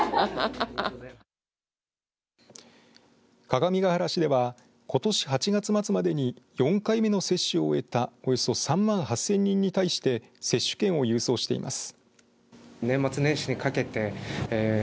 各務原市ではことし８月末までに４回目の接種を終えたおよそ３万８０００人に対して接種券を郵送しています。